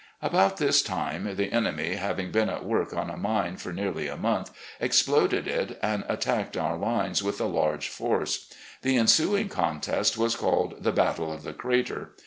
.. About this time, the enemy, having been at work on a mine for nearly a month, exploded it, and attacked our lines with a large force. The ensuing contest was called the Battle of the Crater.